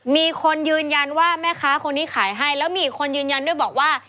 มีคนยืนยันว่าแม่ค้าคนนี้ขายให้แล้วมีอีกคนยืนยันด้วยบอกว่า